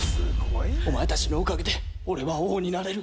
おまえたちのおかげで俺は王になれる。